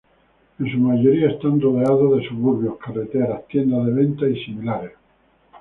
En su mayoría están rodeados de suburbios, carreteras, tiendas de venta y similares.